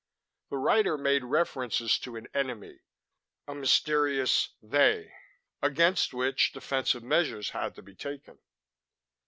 The writer made references to an Enemy, a mysterious 'they', against which defensive measures had to be taken."